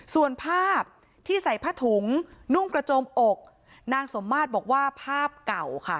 ส่วนภาพที่ใส่ผ้าถุงนุ่งกระโจมอกนางสมมาตรบอกว่าภาพเก่าค่ะ